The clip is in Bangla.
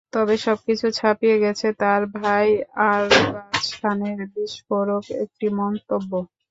তবে সবকিছু ছাপিয়ে গেছে তাঁর ভাই আরবাজ খানের বিস্ফোরক একটি মন্তব্য।